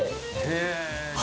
へえ。